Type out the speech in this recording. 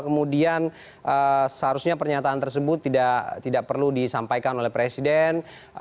kemudian seharusnya pernyataan tersebut tidak perlu disampaikan oleh presiden